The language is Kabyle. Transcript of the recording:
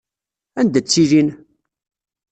Anda ttilin?